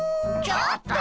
ちょっと！